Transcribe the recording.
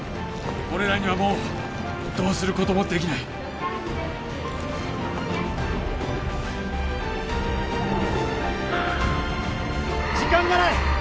俺らにはもうどうすることもできない時間がない